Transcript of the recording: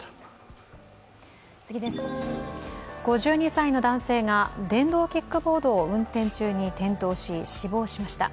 ５２歳の男性が電動キックボードを運転中に転倒し、死亡しました。